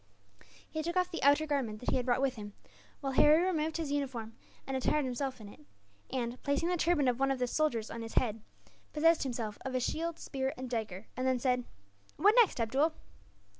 He took off the outer garment that he had brought with him, while Harry removed his uniform and attired himself in it and, placing the turban of one of the soldiers on his head, possessed himself of a shield, spear, and dagger, and then said: "What next, Abdool?"